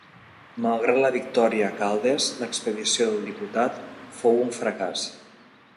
Malgrat la victòria a Caldes, l'expedició del Diputat fou un fracàs.